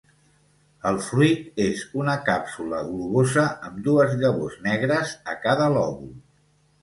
El fruit és una càpsula globosa amb dues llavors negres a cada lòbul.